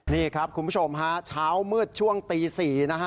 นี่ครับคุณผู้ชมช้าวมืดช่วงตีนี้นะครับ